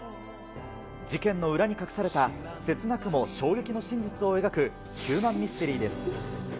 事件の裏に隠されたせつなくも衝撃の真実を描く、ヒューマンミステリーです。